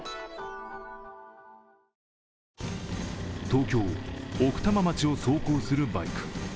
東京・奥多摩町を走行するバイク。